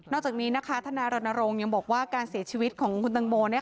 จากนี้นะคะทนายรณรงค์ยังบอกว่าการเสียชีวิตของคุณตังโม